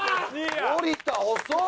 森田遅っ！